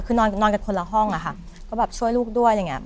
คือนอนกันคนละห้องอะค่ะก็แบบช่วยลูกด้วยอย่างเงี้